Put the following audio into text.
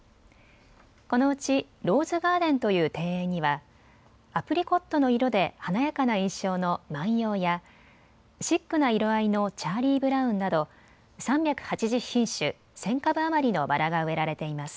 このうちローズガーデンという庭園にはアプリコットの色で華やかな印象の万葉やシックな色合いのチャーリーブラウンなど３８０品種１０００株余りのバラが植えられています。